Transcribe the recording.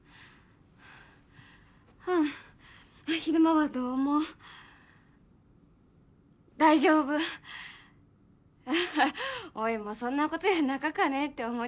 昼間はどうも大丈夫アッハおいもそんなことやなかかねって思う